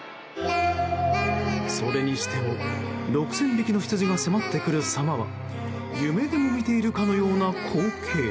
それにしても６０００匹のヒツジが迫ってくるさまは夢でも見ているかのような光景。